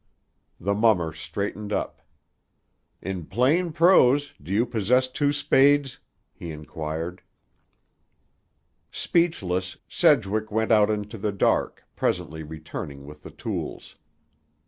The mummer straightened up. "In plain prose, do you possess two spades?" he inquired. Speechless, Sedgwick went out into the dark, presently returning with the tools.